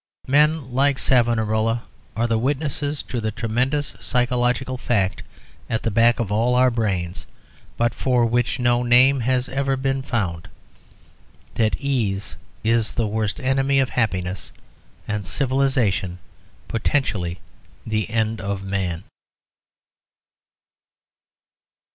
Men like Savonarola are the witnesses to the tremendous psychological fact at the back of all our brains, but for which no name has ever been found, that ease is the worst enemy of happiness, and civilisation potentially the end of man.